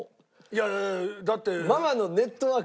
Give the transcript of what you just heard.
いやだって。